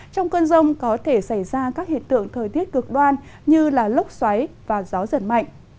trong cơn rông có thể xảy ra các hiện tượng thời tiết cực đoan như lốc xoáy và gió giật mạnh